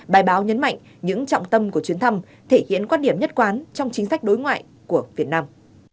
bài báo nhấn mạnh những trọng tâm của chuyến thăm thể hiện quan điểm nhất quán trong chính sách đối ngoại của việt nam